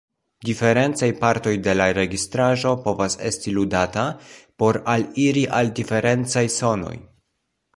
Diferencaj partoj de la registraĵo povas esti ludata por aliri al diferencaj sonoj.